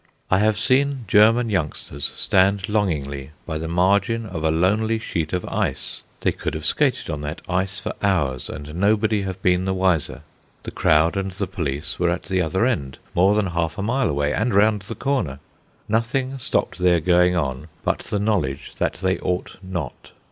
I have seen German youngsters stand longingly by the margin of a lonely sheet of ice. They could have skated on that ice for hours, and nobody have been the wiser. The crowd and the police were at the other end, more than half a mile away, and round the corner. Nothing stopped their going on but the knowledge that they ought not.